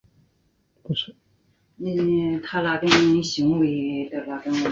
现时该微博已被删除。